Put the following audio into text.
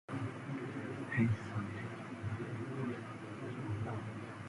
He is amazing at volleyball.